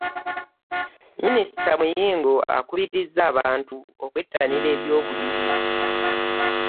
Minisita Muyingo akubirizza abantu okwettanira eby'obulimi